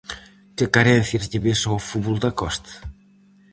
Que carencias lle ves ao fútbol da Costa?